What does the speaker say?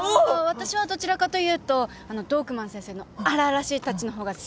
私はどちらかというとどおくまん先生の荒々しいタッチの方が好きかな。